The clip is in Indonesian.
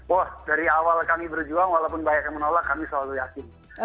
wah dari awal kami berjuang walaupun banyak yang menolak kami selalu yakin